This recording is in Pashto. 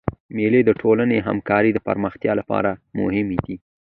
مېلې د ټولنیزي همکارۍ د پراختیا له پاره مهمي دي.